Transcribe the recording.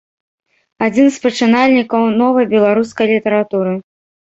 Адзін з пачынальнікаў новай беларускай літаратуры.